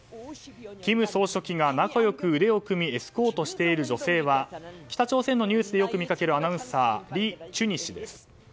金総書記が仲良く腕を組みエスコートしている女性は北朝鮮のニュースでよく見かけるアナウンサーリ・チュニ氏です。